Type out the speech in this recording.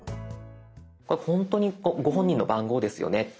これ本当にご本人の番号ですよね。